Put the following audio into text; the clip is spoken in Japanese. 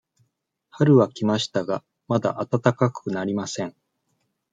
春は来ましたが、まだ暖かくなりません。